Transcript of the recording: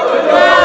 wah terus lah